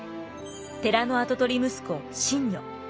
寺の跡取り息子信如。